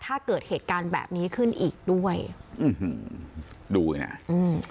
ถ้าเกิดเหตุการณ์แบบนี้ขึ้นอีกด้วยอืมดูน่ะอืม